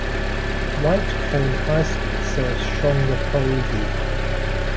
White Cone High School serves Shongopovi.